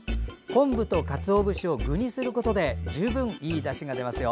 昆布とかつお節を具にすることで十分いいだしが出ますよ。